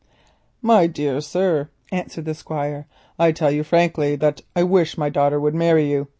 "My dear sir," answered the Squire, "I tell you frankly that I wish my daughter would marry you.